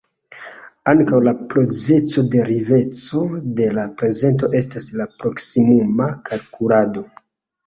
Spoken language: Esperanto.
Ankaŭ la procezo de ricevo de la prezento estas la "proksimuma kalkulado".